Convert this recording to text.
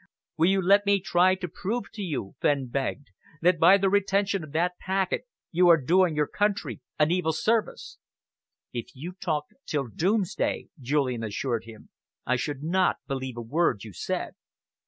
"Will you let me try to prove to you," Fenn begged, "that by the retention of that packet you are doing your country an evil service?" "If you talked till doomsday," Julian assured him, "I should not believe a word you said."